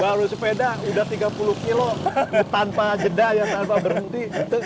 baru sepeda udah tiga puluh kilo tanpa jeda ya tanpa berhenti